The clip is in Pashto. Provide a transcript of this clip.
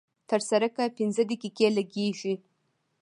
تر سړکه پينځه دقيقې لګېږي.